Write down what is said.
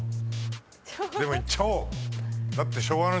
でもいっちゃおう！